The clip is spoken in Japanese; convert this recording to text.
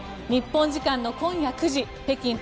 日本時間の今夜９時北京